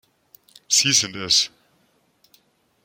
Sie sind es.